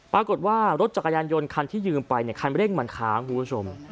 ปรากฏว่ารถจักรยานยนต์คันที่ยืมไปเนี่ยคันเร่งมันค้างคุณผู้ชม